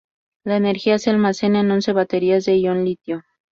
La energía se almacena en once baterías de ión litio.